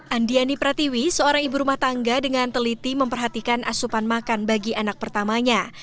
andiani pratiwi seorang ibu rumah tangga dengan teliti memperhatikan asupan makan bagi anak pertamanya